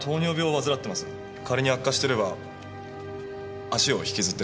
仮に悪化してれば足を引きずっている可能性も。